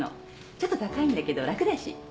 ちょっと高いんだけど楽だし。